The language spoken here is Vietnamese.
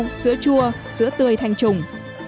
ngao sữa chua sữa tươi thanh trùng